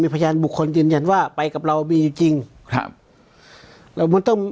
มีพยานบุคคลเย็นว่าไปกับเรามีจริงครับแล้วมันต้อง